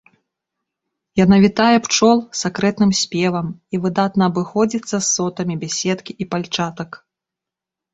Яна вітае пчол сакрэтным спевам і выдатна абыходзіцца з сотамі без сеткі і пальчатак.